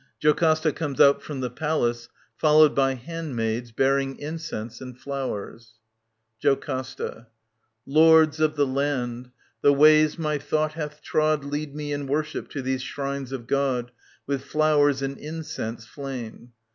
[JocASTA comes out from the Palace followed by handmaids bearing incense and flowers. JoCASTA. Lords ot the land, the ways my thought hath trod Lead me in worship to these shrines of God With flowers and incense flame.